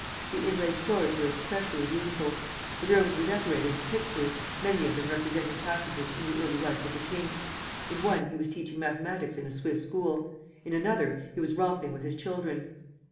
The inlaid floors were especially beautiful. The rooms were decorated with pictures, many of them representing passages in the early life of the king. In one he was teaching mathematics in a Swiss school; in another he was romping with his children.